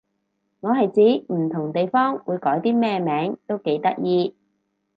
我係指唔同地方會改啲咩名都幾得意